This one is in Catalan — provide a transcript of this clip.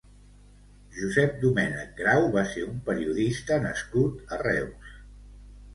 Josep Domènech Grau va ser un periodista nascut a Reus.